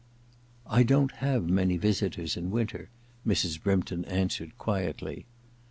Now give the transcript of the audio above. * I don't have many visitors in winter,' Mrs. Brympton answered quietly.